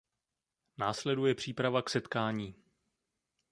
Následuje příprava k setkání.